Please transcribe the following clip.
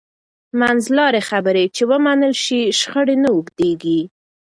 منځلارې خبرې چې ومنل شي، شخړې نه اوږدېږي.